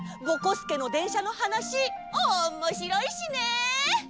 ぼこすけのでんしゃのはなしおもしろいしね。